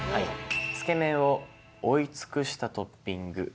「つけ麺を覆い尽くしたトッピング」。